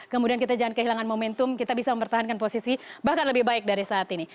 kemudian kita jangan kehilangan momentum kita bisa mempertahankan posisi bahkan lebih baik dari saat ini